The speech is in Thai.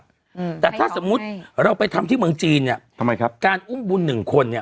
อืมแต่ถ้าสมมุติเราไปทำที่เมืองจีนเนี้ยทำไมครับการอุ้มบุญหนึ่งคนเนี้ย